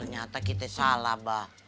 ternyata kita salah bah